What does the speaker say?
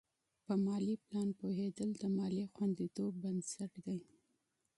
په مالي پلان پوهېدل د مالي خوندیتوب بنسټ دی.